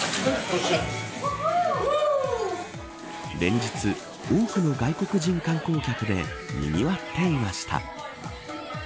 連日多くの外国人観光客でにぎわっていました。